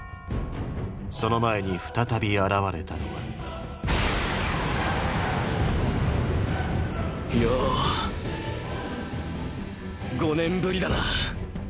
その前に再び現れたのはよう５年ぶりだな。